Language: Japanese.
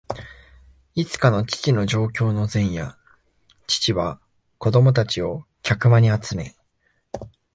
いつかの父の上京の前夜、父は子供たちを客間に集め、